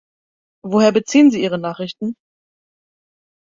Woher beziehen Sie Ihre Nachrichten?